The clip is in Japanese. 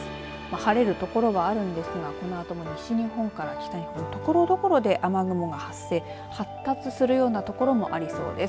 晴れるところはあるんですがこのあとも西日本から北日本ところどころで雨雲が発生、発達するようなところもありそうです。